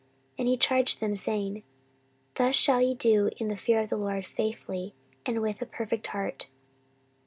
14:019:009 And he charged them, saying, Thus shall ye do in the fear of the LORD, faithfully, and with a perfect heart.